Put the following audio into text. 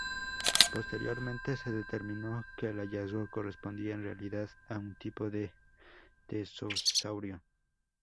Posteriormente se determinó que el hallazgo correspondía en realidad a un tipo de pterosaurio.